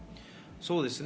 そうですね。